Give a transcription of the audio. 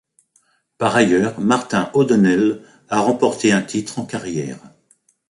Par ailleurs, Martin O'Donnell a remporté un titre en carrière.